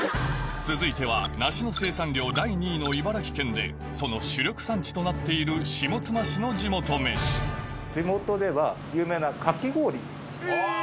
続いては梨の生産量第２位の茨城県でその主力産地となっている下妻市の地元飯え！